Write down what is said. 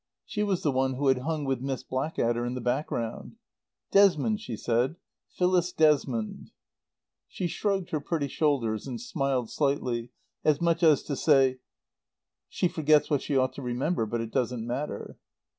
She was the one who had hung with Miss Blackadder in the background. "Desmond," she said. "Phyllis Desmond." She shrugged her pretty shoulders and smiled slightly, as much as to say, "She forgets what she ought to remember, but it doesn't matter."